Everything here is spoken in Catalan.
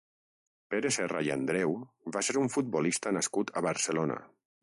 Pere Serra i Andreu va ser un futbolista nascut a Barcelona.